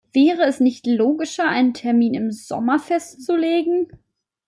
Wäre es nicht logischer, einen Termin im Sommer festzulegen?